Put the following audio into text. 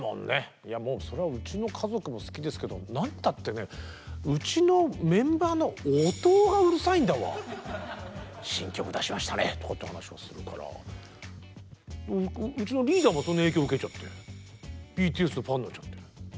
もうそりゃうちの家族も好きですけどなんたってねうちのメンバーの音尾がうるさいんだわ。とかって話をするからうちのリーダーもその影響受けちゃってＢＴＳのファンになっちゃって。